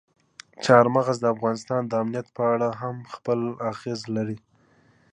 چار مغز د افغانستان د امنیت په اړه هم خپل اغېز لري.